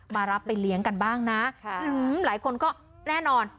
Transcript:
รับไปเลี้ยงกันบ้างนะหลายคนก็แน่นอน